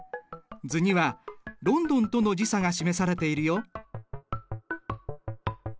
図にはロンドンとの時差が示されているよ。